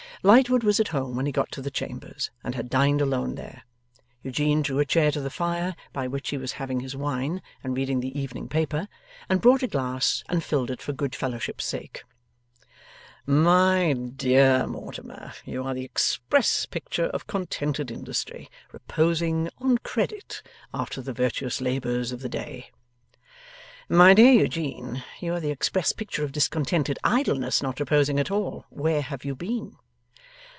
Lightwood was at home when he got to the Chambers, and had dined alone there. Eugene drew a chair to the fire by which he was having his wine and reading the evening paper, and brought a glass, and filled it for good fellowship's sake. 'My dear Mortimer, you are the express picture of contented industry, reposing (on credit) after the virtuous labours of the day.' 'My dear Eugene, you are the express picture of discontented idleness not reposing at all. Where have you been?